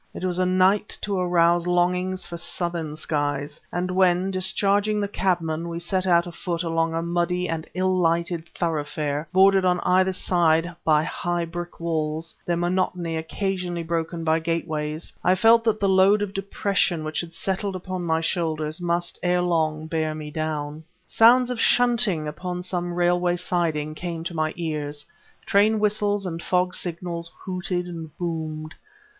It was a night to arouse longings for Southern skies; and when, discharging the cabman, we set out afoot along a muddy and ill lighted thoroughfare bordered on either side by high brick walls, their monotony occasionally broken by gateways, I felt that the load of depression which had settled upon my shoulders must ere long bear me down. Sounds of shunting upon some railway siding came to my ears; train whistles and fog signals hooted and boomed.